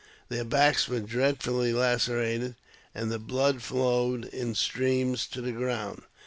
Their backs were dreadfully lacerated, and the blood flowed in streams to the ground.